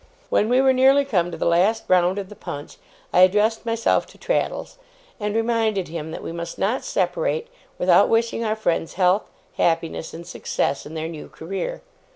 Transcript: When we were nearly come to the last round of the punch, I addressed myself to Traddles, and reminded him that we must not separate, without wishing our friends health, happiness, and success in their new career.